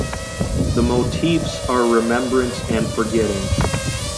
The motifs are remembrance and forgetting.